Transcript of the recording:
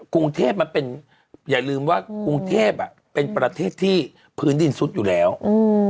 กรุงเทพมันเป็นอย่าลืมว่ากรุงเทพอ่ะเป็นประเทศที่พื้นดินซุดอยู่แล้วอืม